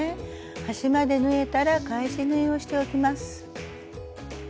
端まで縫えたら返し縫いをしておきます。